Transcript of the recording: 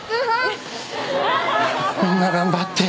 みんな頑張って。